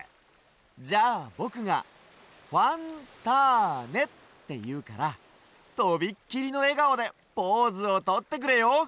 じゃあぼくが「ファンターネ」っていうからとびっきりのえがおでポーズをとってくれよ。